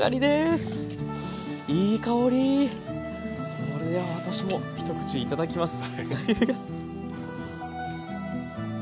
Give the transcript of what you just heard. それでは私も一口頂きます。